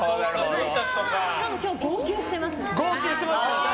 しかも今日、号泣してます。